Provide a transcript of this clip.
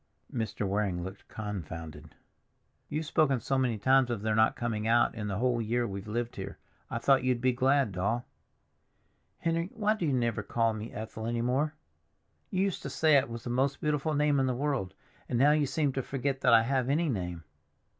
Mr. Waring looked confounded. "You've spoken so many times of their not coming out in the whole year we've lived here, I thought you'd be glad, Doll." "Henry, why do you never call me Ethel any more? You used to say it was the most beautiful name in the world, and now you seem to forget that I have any name.